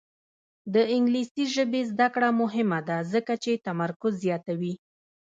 د انګلیسي ژبې زده کړه مهمه ده ځکه چې تمرکز زیاتوي.